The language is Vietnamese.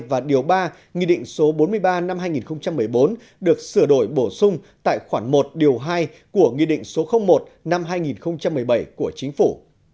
và điều ba nghị định số bốn mươi ba năm hai nghìn một mươi bốn được sửa đổi bổ sung tại khoản một điều hai của nghị định số một năm hai nghìn một mươi bảy của chính phủ